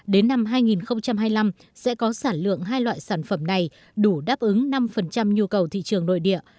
đến năm hai nghìn hai mươi năm sẽ có sản lượng hai loại sản phẩm này đủ đáp ứng năm nhu cầu thị trường nội địa